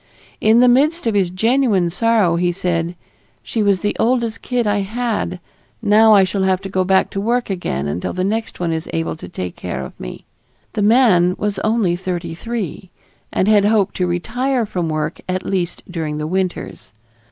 In the midst of his genuine sorrow he said: "She was the oldest kid I had. Now I shall have to go back to work again until the next one is able to take care of me." The man was only thirty three and had hoped to retire from work at least during the winters.